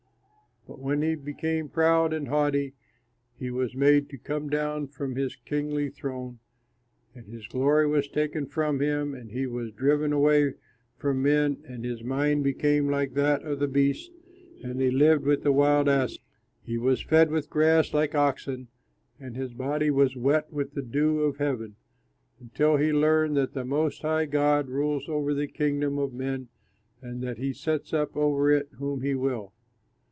But when he became proud and haughty, he was made to come down from his kingly throne and his glory was taken from him, and he was driven away from men, and his mind became like that of the beasts, and he lived with the wild asses; he was fed with grass like oxen, and his body was wet with the dew of heaven, until he learned that the Most High God rules over the kingdom of men and that he sets up over it whom he will.